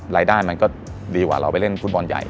รายได้มันก็ดีกว่าเราไปเล่นฟุตบอลใหญ่